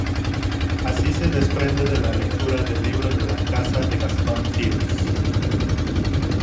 Así se desprende de la lectura del libro de la Caza de Gastón Phoebus.